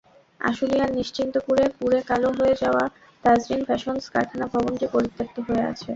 আশুলিয়ার নিশ্চিন্তপুরে পুড়ে কালো হয়ে যাওয়া তাজরীন ফ্যাশনস কারখানা ভবনটি পরিত্যক্ত হয়ে আছে।